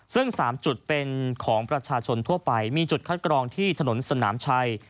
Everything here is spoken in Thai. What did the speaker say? ซึ่ง๓จุดเป็นของประชาชนทั่วไปมีจุดคัดกรองที่ถนนสนามชัย